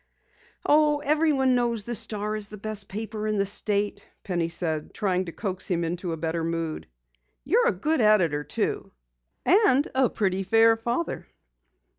"Oh, everyone knows the Star is the best paper in the state," Penny said, trying to coax him into a better mood. "You're a good editor too, and a pretty fair father."